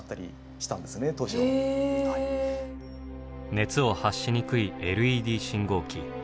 熱を発しにくいＬＥＤ信号機。